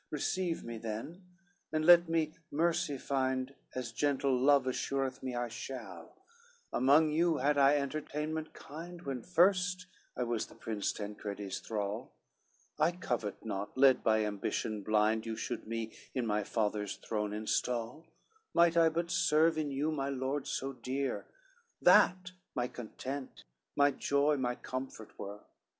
CV "Receive me, then, and let me mercy find, As gentle love assureth me I shall, Among you had I entertainment kind When first I was the Prince Tancredi's thrall: I covet not, led by ambition blind You should me in my father's throne install, Might I but serve in you my lord so dear, That my content, my joy, my comfort were."